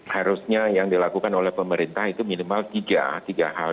harusnya yang dilakukan oleh pemerintah itu minimal tiga hal